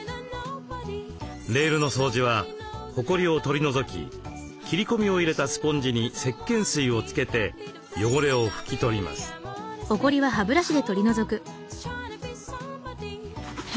レールの掃除はほこりを取り除き切り込みを入れたスポンジにせっけん水をつけて汚れを拭き取ります。